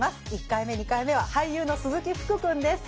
１回目２回目は俳優の鈴木福くんです。